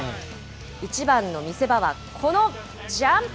一番の見せ場はこのジャンプ。